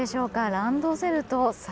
ランドセルと桜。